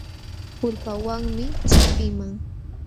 Kulpawanmi chapiiman.